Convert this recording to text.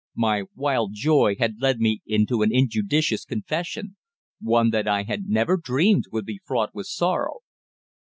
My wild joy had led me into an injudicious confession one that I had never dreamed would be fraught with sorrow.